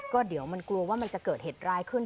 ก็เดี๋ยวมันกลัวว่ามันจะเกิดเหตุร้ายขึ้น